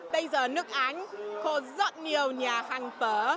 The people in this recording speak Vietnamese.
bây giờ nước áng có rất nhiều nhà hàng phở